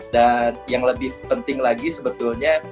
dan yang lebih penting lagi sebetulnya